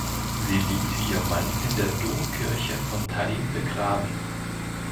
Sie liegt wie ihr Mann in der Domkirche von Tallinn begraben.